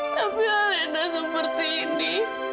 tapi alena seperti ini